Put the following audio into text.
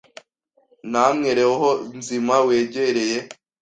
Namwe roho nzima wegereye